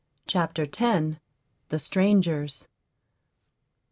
CHAPTER X. THE STRANGERS.